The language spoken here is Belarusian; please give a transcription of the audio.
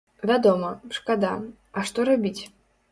Вядома, шкада, а што рабіць?